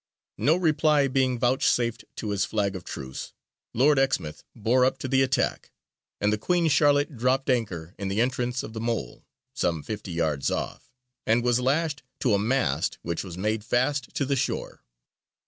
No reply being vouchsafed to his flag of truce, Lord Exmouth bore up to the attack, and the Queen Charlotte dropped anchor in the entrance of the Mole, some fifty yards off, and was lashed to a mast which was made fast to the shore.